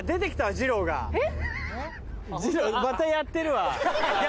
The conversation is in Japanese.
じろうまたやってるわ。